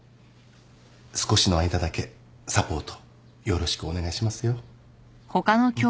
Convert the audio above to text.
少しの間だけサポートよろしくお願いしますよ。